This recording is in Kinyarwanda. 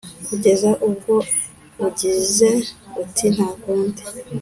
Kugeza ubwo ugize uti « ntakundi, »